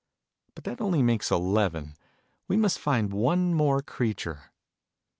But that only makes eleven : we must find one more creature.